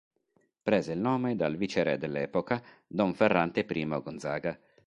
Prese il nome dal viceré dell'epoca don Ferrante I Gonzaga.